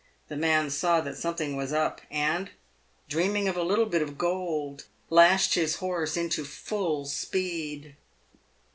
The man saw that something " was up," and, dreaming of a little bit of gold, lashed his horse into full speed.